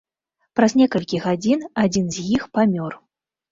Праз некалькі гадзін адзін з іх памёр.